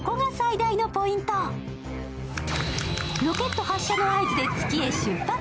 ロケット発射の合図で月へ出発。